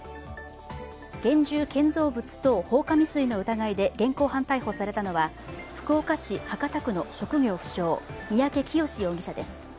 現住建造物等放火未遂の疑いで現行犯逮捕されたのは福岡市博多区の職業不詳、三宅潔容疑者です。